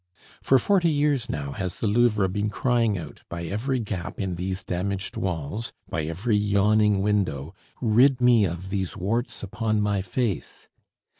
For forty years now has the Louvre been crying out by every gap in these damaged walls, by every yawning window, "Rid me of these warts upon my face!"